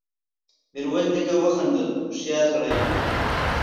ميرويس نيکه وخندل: هوښيار سړی يې!